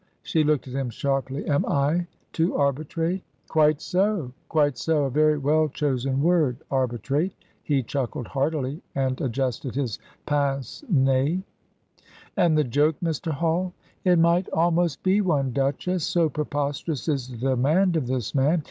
She looked at him sharply. "Am I to arbitrate?" "Quite so quite so. A very well chosen word arbitrate." He chuckled heartily, and adjusted his pince nez. "And the joke, Mr. Hall?" "It might almost be one, Duchess, so preposterous is the demand of this man.